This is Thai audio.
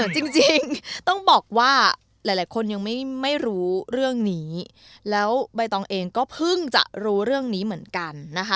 จริงต้องบอกว่าหลายคนยังไม่รู้เรื่องนี้แล้วใบตองเองก็เพิ่งจะรู้เรื่องนี้เหมือนกันนะคะ